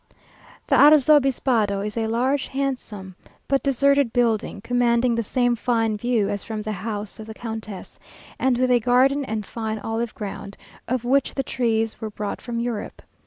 The Arzobispado is a large, handsome, but deserted building, commanding the same fine view as from the house of the countess, and with a garden and fine olive ground, of which the trees were brought from Europe.